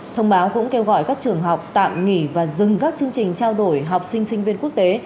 thông báo cũng kêu gọi các trường học tạm nghỉ và dừng các chương trình trao đổi học sinh sinh viên quốc tế